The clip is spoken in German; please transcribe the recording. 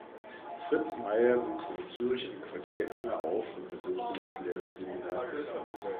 Fritz Meyer wuchs in Zürich im Quartier Enge auf und besuchte das Lehrerseminar Küsnacht.